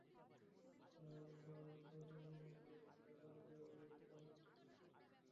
তারা টাওয়ারটা নির্মাণের পর সেটা দান করে দিয়েছিল।